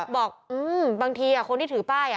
บอกบางทีคนที่ถือป้าย